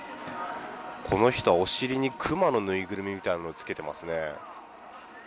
この人はお尻に熊の縫いぐるみみたいのをつけてますね。